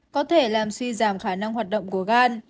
có thể làm suy giảm khả năng hoạt động của gan